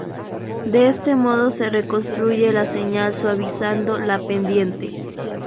De este modo se reconstruye la señal suavizando la pendiente.